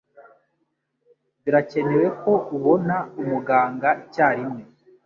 Birakenewe ko ubona umuganga icyarimwe.